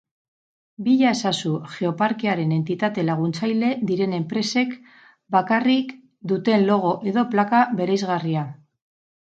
Bila ezazu Geoparkearen entitate laguntzaile diren enpresek bakarrik duten logo edo plaka bereizgarria.